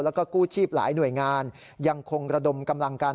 แล้วก็กู้ชีพหลายหน่วยงานยังคงระดมกำลังกัน